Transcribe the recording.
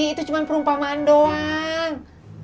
itu cuma perumpamaan doang